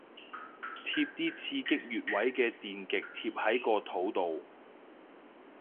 貼啲刺激穴位嘅電極貼喺個肚度